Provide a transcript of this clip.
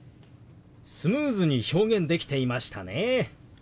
スムーズに表現できていましたね。